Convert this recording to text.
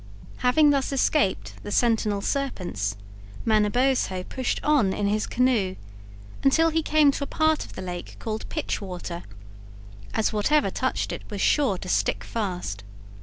Having thus escaped the sentinel serpents, Manabozho pushed on in his canoe until he came to a part of the lake called Pitch Water, as whatever touched it was sure to stick fast.